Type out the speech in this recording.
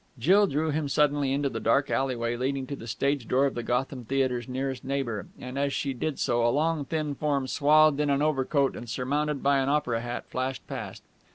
Jill drew him suddenly into the dark alley way leading to the stage door of the Gotham Theatre's nearest neighbour, and, as she did so, a long, thin form, swathed in an overcoat and surmounted by an opera hat, flashed past.